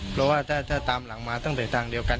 เพราะว่าถ้าตามหลังมาตั้งแต่ทางเดียวกัน